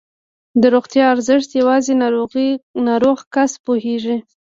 د روغتیا ارزښت یوازې ناروغ کس پوهېږي.